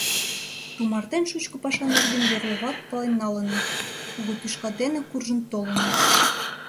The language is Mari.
Тумартен шучко паша нерген йорло-влак пален налыныт, кугу тӱшка дене куржын толыныт.